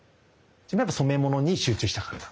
自分は染め物に集中したかった。